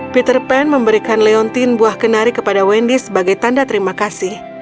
peter pan memberikan leontin buah kenari kepada wendy sebagai tanda terima kasih